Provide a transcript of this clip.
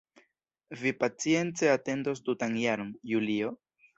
Vi pacience atendos tutan jaron, Julio?